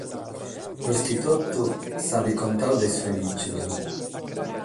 Prus che totu nos at contadu de is fenìtzios.